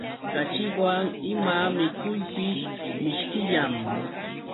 Kaćhiwan ima mikuypis mishkillam.